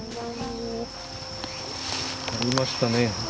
ありましたね。